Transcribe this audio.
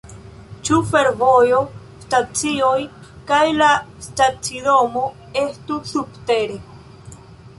Ĉiu fervojo, stacioj kaj la stacidomo estu subtere.